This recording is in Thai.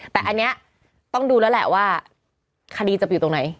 แต่อันนี้ต้องดูแล้วแหละว่าคดีจะไปอยู่ตรงไหน